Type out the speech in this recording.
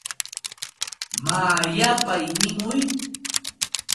Maa yapay nimuy.